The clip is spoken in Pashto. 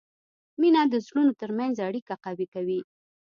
مینه د زړونو ترمنځ اړیکه قوي کوي.